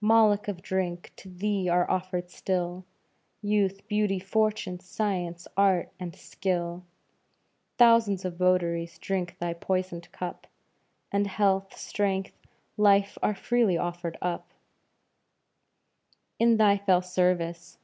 Moloch of drink! to thee are offered still Youth, beauty, fortune, science, art, and skill; Thousands of votaries drink thy poisoned cup, And health, strength, life are freely offered up In thy fell service.